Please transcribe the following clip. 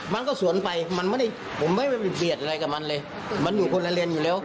ไม่มีเบียดอะไรกับมันเลยมันอยู่คนรายเรียนอยู่แล้ว